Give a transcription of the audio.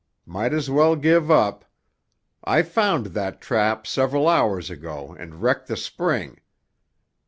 Might as well give up. I found that trap several hours ago and wrecked the spring.